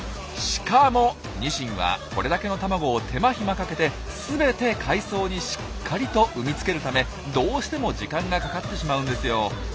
しかもニシンはこれだけの卵を手間暇かけてすべて海藻にしっかりと産み付けるためどうしても時間がかかってしまうんですよ。